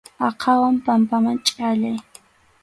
Aqhawan pampaman chʼallay.